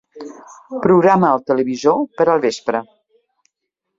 Programa el televisor per al vespre.